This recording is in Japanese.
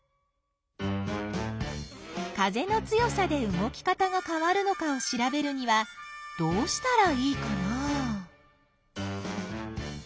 風の強さで動き方がかわるのかをしらべるにはどうしたらいいかな？